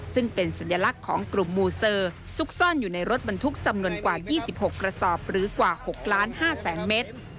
ซึ่งเป็นสัญลักษณ์ของกลุ่มมูเซอร์ซุกซ่อนอยู่ในรถบรรทุกจำนวนกว่า๒๖กระสอบหรือกว่า๖ล้าน๕แสนเมตร